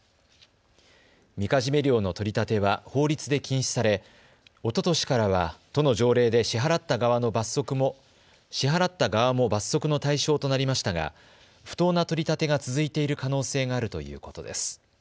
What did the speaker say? みかじめ料の取り立ては法律で禁止され、おととしからは都の条例で支払った側も罰則の対象となりましたが不当な取り立てが続いている可能性があるということです。